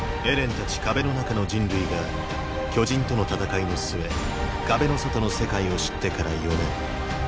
エレンたち壁の中の人類が巨人との戦いの末壁の外の世界を知ってから４年。